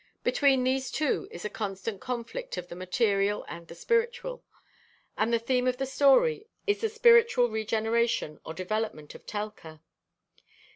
Between these two is a constant conflict of the material and the spiritual, and the theme of the story is the spiritual regeneration or development of Telka.